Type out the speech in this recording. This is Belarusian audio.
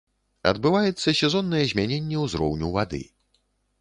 Адбываецца сезоннае змяненне ўзроўню вады.